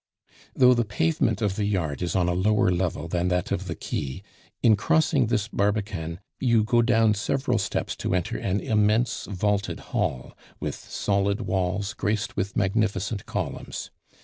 Though the pavement of the yard is on a lower level than that of the quay, in crossing this Barbican you go down several steps to enter an immense vaulted hall, with solid walls graced with magnificent columns.